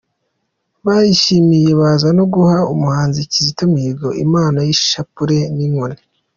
barishimiye baza no guha umuhanzi Kizito Mihigo, impano y’ishapure n’inkoni.